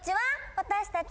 私たち。